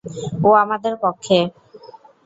ও আমাদের পক্ষে।